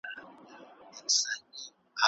هغه څه محبوب کړه چې الله ته ګران وي.